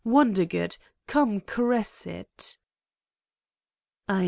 ... Wondergood! Come, caress it!"